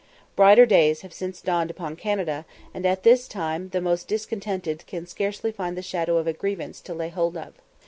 Brighter days have since dawned upon Canada, and at this time the most discontented can scarcely find the shadow of a grievance to lay hold of.